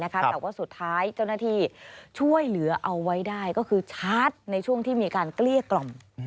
แต่ว่าสุดท้ายเจ้าหน้าที่ช่วยเหลือเอาไว้ได้ก็คือชาร์จในช่วงที่มีการเกลี้ยกล่อม